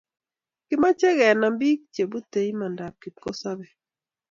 kimache kenam pik che bute imandat kipkosabe